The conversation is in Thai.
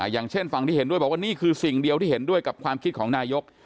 อย่างเช่นฝั่งที่เห็นด้วยบอกว่านี่คือสิ่งเดียวที่เห็นด้วยกับความคิดของนายก